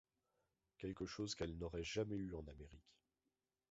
Quelque chose qu'elle n'aurait jamais eu en Amérique.